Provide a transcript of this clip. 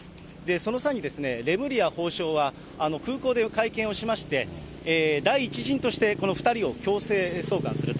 その際に、レムリヤ法相は空港で会見をしまして、第１陣としてこの２人を強制送還すると。